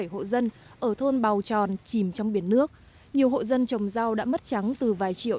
bảy hộ dân ở thôn bào tròn chìm trong biển nước nhiều hộ dân trồng rau đã mất trắng từ vài triệu